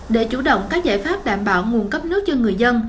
để chủ động các giải pháp đảm bảo nguồn cấp nước cho người dân